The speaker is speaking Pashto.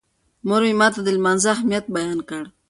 مور مې ماته د لمانځه اهمیت بیان کړ.